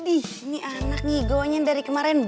ini anak ngigonya dari kemarin